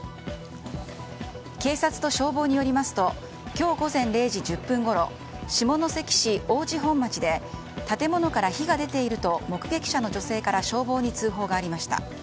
警察と消防によりますと今日午前０時１０分ごろ下関市王司本町で建物から火が出ていると目撃者の女性から消防に通報がありました。